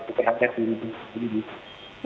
bukan hanya diri diri